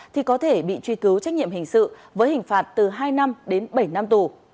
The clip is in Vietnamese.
thì có thể bị truy cứu trách nhiệm hình sự với hình phạt từ hai năm đến bảy năm tù